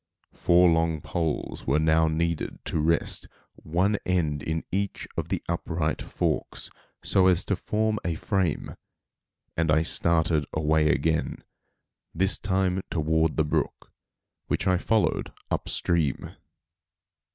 Four long poles were now needed to rest one end in each of the upright forks, so as to form a frame, and I started away again, this time toward the brook, which I followed up stream.